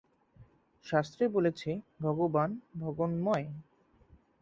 শাস্ত্রে বলেছে, ভগবান জগন্ময়।